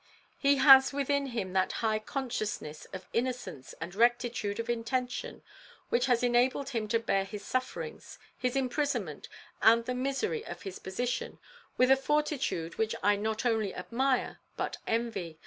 He has within him that high consciousness of innocence and rectitude of intention which has enabled him to bear his sufferings, his imprisonment, and the misery of his position, with a fortitude which I not only admire, but envy.